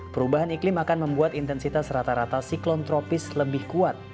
perubahan iklim akan membuat intensitas rata rata siklon tropis lebih kuat